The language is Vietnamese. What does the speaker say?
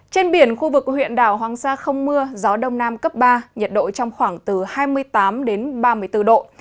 trên biển khu vực huyện đảo hoàng sa không mưa gió đông nam cấp ba nhiệt độ trong khoảng từ hai mươi tám đến ba mươi bốn độ